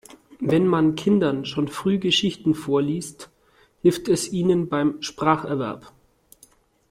Wenn man Kindern schon früh Geschichten vorliest, hilft es ihnen beim Spracherwerb.